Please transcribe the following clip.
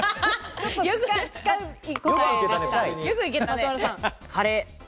ちょっと近い答えでした。